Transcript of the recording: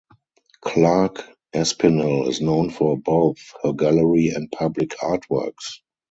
Clark Espinal is known for both her gallery and public artworks.